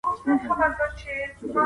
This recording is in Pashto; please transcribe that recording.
زه اوږده وخت قلمونه کاروم وم.